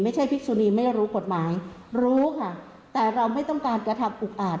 พิกษุนีไม่รู้กฎหมายรู้ค่ะแต่เราไม่ต้องการกระทำอุกอาจ